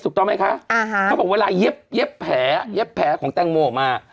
ถูกต้องไหมคะเขาบอกเวลาเย็บแผลเย็บแผลของแตงโมออกมา